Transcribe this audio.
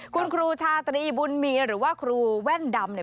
คุณครูชาตรีบุญมีหรือว่าครูแว่นดำเนี่ย